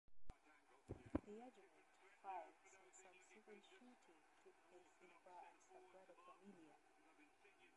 The argument, fight and subsequent shooting took place in a bar at Sagrada Familia.